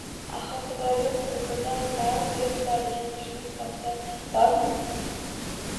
— Аxir, xudo yoʼq-ku! Birdan bari behudaligini tushunib qolsa bormi?!